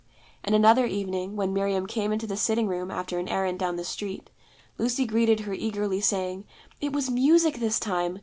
And another evening, when Miriam came into the sitting room after an errand down the street, Lucy greeted her eagerly, saying, 'It was music this time.